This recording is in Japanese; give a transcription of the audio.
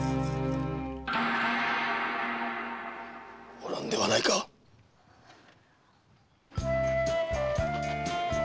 おらんではないかっ！